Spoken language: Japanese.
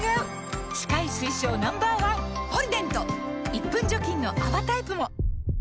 １分除菌の泡タイプも！